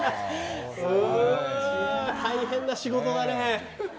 大変な仕事だね。